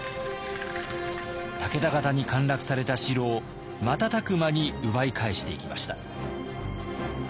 武田方に陥落された城を瞬く間に奪い返していきました。